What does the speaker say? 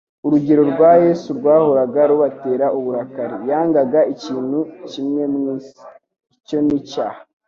Urugero rwa Yesu rwahoraga rubatera uburakari. Yangaga ikintu kimwe mw'isi, icyo ni icyaha.